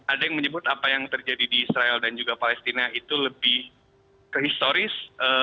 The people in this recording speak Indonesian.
ada yang menyebut apa yang terjadi di israel dan juga palestina itu lebih ke historis